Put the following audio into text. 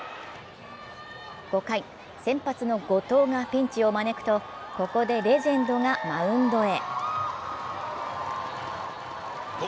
５回、先発の後藤がピンチを招くと、ここでレジェンドがマウンドへ。